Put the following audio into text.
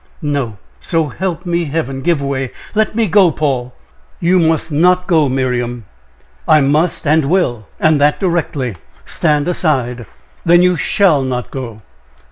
"No! so help me Heaven! Give way let me go, Paul." "You must not go, Miriam." "I must and will and that directly. Stand aside." "Then you shall not go."